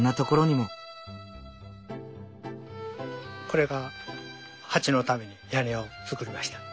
これがハチのために屋根を作りました。